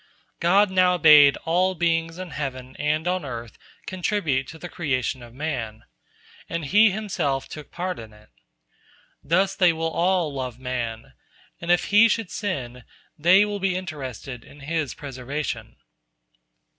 " God now bade all beings in heaven and on earth contribute to the creation of man, and He Himself took part in it. Thus they all will love man, and if he should sin, they will be interested in his preservation.